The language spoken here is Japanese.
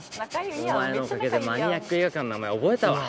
お前のおかげでマニアック映画館の名前覚えたわ。